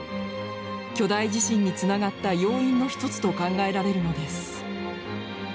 巨大地震につながった要因の一つと考えられるのです。